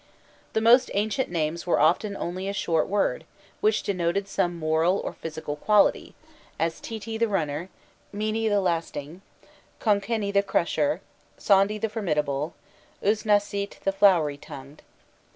The most ancient names were often only a short word, which denoted some moral or physical quality, as Titi the Runner, Mini the Lasting, Qonqeni the Crusher, Sondi the Formidable, Uznasît the Flowery tongued.